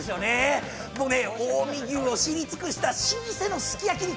もうね近江牛を知り尽くした老舗のすき焼き肉